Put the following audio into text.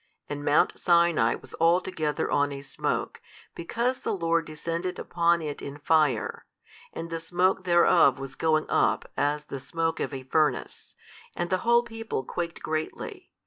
And mount Sinai was altogether on a smoke, because the Lord descended upon it in fire, and the smoke thereof was going up as the smoke of a furnace, and the whole people quaked greatly.